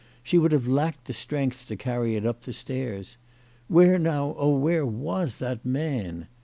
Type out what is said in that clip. She would have lacked strength to carry it up the stairs. Where now, oh, where, was that man